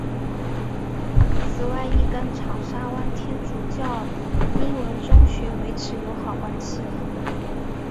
此外亦跟长沙湾天主教英文中学维持友好关系。